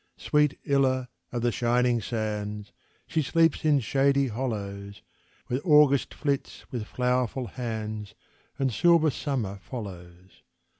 Sweet Illa of the shining sands, She sleeps in shady hollows, Where August flits with flowerful hands, And silver Summer follows.